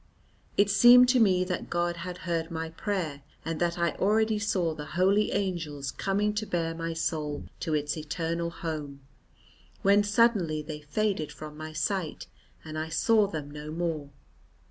It seemed to me that God had heard my prayer, and that I already saw the holy angels coming to bear my soul to its eternal Home, when suddenly they faded from my sight, and I saw them no more.